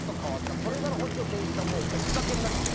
それから星野仙一さんの追っかけになって。